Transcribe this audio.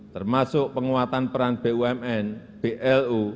termasuk penguatan peran bumn blu